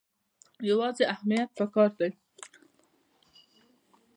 یوازې همت پکار دی